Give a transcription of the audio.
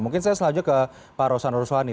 mungkin saya selanjutnya ke pak rosan roswani